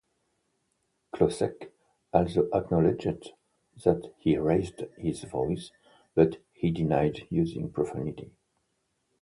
Klocek also acknowledged that he raised his voice, but he denied using profanity.